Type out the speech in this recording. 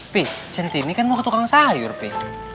pih centini kan mau ke tukang sayur pi